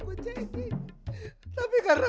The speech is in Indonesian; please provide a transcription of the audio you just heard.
bos tinggal unjukin aja